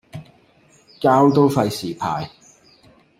膠都費事派